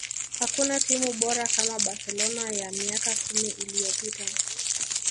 hakuna timu bora kama barcelona ya miaka kumi iliyopita